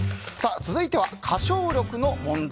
続いては「歌唱力の問題」。